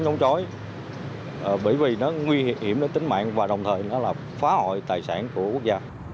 chống chói bởi vì nó nguy hiểm đến tính mạng và đồng thời phá hội tài sản của quốc gia